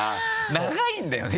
長いんだよね